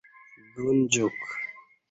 ڈون جوک